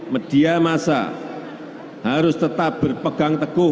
media masa harus tetap berpegang teguh